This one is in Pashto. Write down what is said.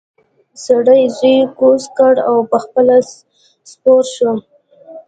سړي زوی کوز کړ او پخپله سپور شو.